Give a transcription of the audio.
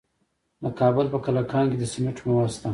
د کابل په کلکان کې د سمنټو مواد شته.